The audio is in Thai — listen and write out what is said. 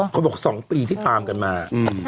เขาบอก๒ปีที่ตามกันมา